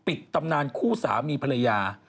ตำนานคู่สามีภรรยา